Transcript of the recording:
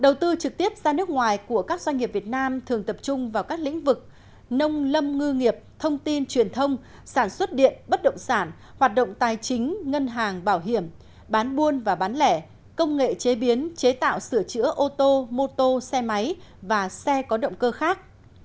đầu tư trực tiếp ra nước ngoài của các doanh nghiệp việt nam thường tập trung vào các lĩnh vực nông lâm ngư nghiệp thông tin truyền thông sản xuất điện bất động sản hoạt động tài chính ngân hàng bảo hiểm bán buôn và bán lẻ công nghệ chế biến chế tạo sửa chữa ô tô mô tô xe máy và xe có động cơ khác